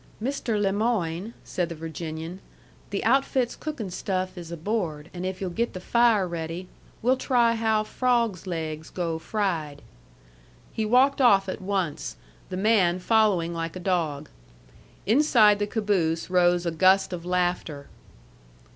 "Mr. Le Moyne," said the Virginian, "the outfit's cookin' stuff is aboard, and if you'll get the fire ready, we'll try how frawgs' laigs go fried." He walked off at once, the man following like a dog. Inside the caboose rose a gust of laughter.